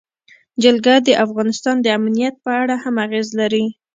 جلګه د افغانستان د امنیت په اړه هم اغېز لري.